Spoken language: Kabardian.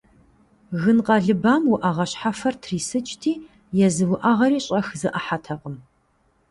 Гын къэлыбам уӏэгъэ щхьэфэр трисыкӏти, езы уӏэгъэри щӏэх зэӏыхьэтэкъым.